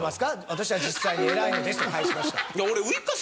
「私は実際に偉いのです」と返しました。